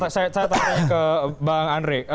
saya tanya ke bang andre